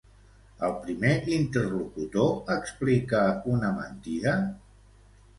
El primer interlocutor explica una mentida?